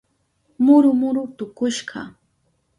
Muru muru tukushka.